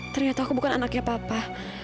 ternyata aku bukan anaknya papa